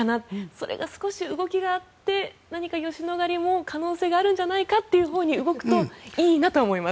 それが少し動きがあって何か吉野ヶ里も可能性があるんじゃないかというほうに動くといいなとは思います。